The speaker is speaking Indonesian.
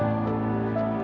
nanti bu mau ke rumah